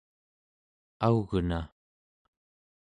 augna